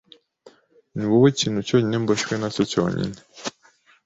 Niwowe kintu cyonyine mboshywe nacyo cyonyine